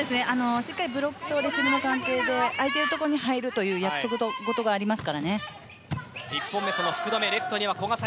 ブロックとレシーブの関係で相手のところに入るという約束事があります。